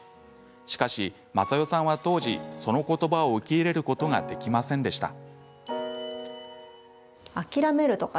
しかし、雅代さんは当時そのことばを受け入れることができませんでした。